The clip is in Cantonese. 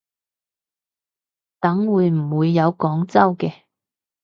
等會唔會有廣州嘅